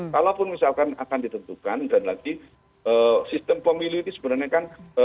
kalaupun misalkan akan ditentukan dan lagi sistem pemilih itu sebenarnya kan tidak akan berjalan